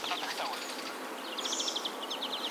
ایا مسلکي بڼوال انځر صادروي؟